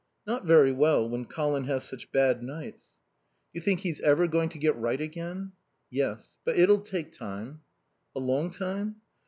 "Not very well, when Colin has such bad nights." "Do you think he's ever going to get right again?" "Yes. But it'll take time." "A long time?"